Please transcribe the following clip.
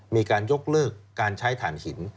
มีการยกเลิกการใช้ฐานหิน